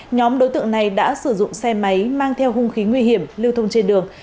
nhóm đối tượng này đã sử dụng xe máy mang theo hung khí nguy hiểm lưu thông trên đường